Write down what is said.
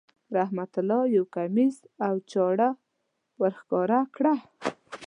رحمت الله یو کمیس او چاړه را وښکاره کړه.